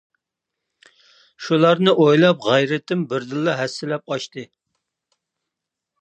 شۇلارنى ئويلاپ غەيرىتىم بىردىنلا ھەسسىلەپ ئاشتى.